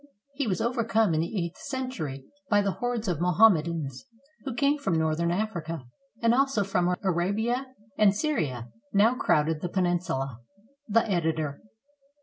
He was overcome in the eighth centur} by the hordes of ^loham medans who came from northern Africa and also from Arabia and Syria and now crowded the peninsula. The Editor.